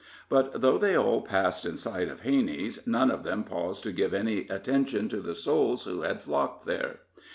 But, though they all passed in sight of Hanney's, none of them paused to give any attention to the souls who had flocked there.